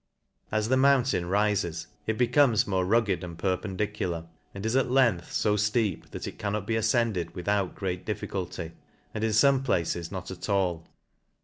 As the mountain rifes, it be comes more rugged and perpendicular, and is ac length fo deep that it cannot be afcended without great difficulty, and in fome places not at all.